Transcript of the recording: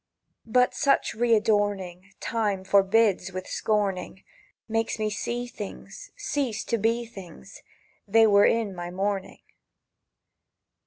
But such re adorning Time forbids with scorning— Makes me see things Cease to be things They were in my morning.